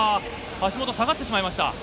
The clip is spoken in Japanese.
橋本、下がってしまいました。